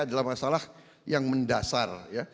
adalah masalah yang mendasar